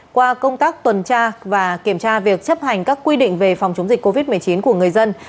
qua công tác tuần tra và kiểm tra việc chấp hành các quy định về phòng chống dịch covid một mươi chín của người dân